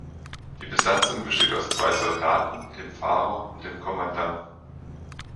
Die Besatzung besteht aus zwei Soldaten, dem Fahrer und dem Kommandanten.